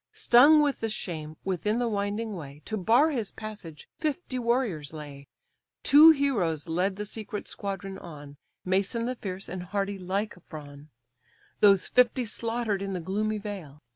Stung with the shame, within the winding way, To bar his passage fifty warriors lay; Two heroes led the secret squadron on, Mason the fierce, and hardy Lycophon; Those fifty slaughter'd in the gloomy vale.